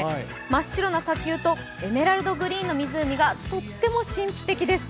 真っ白な砂丘とエメラルドグリーンの湖がとても神秘的です。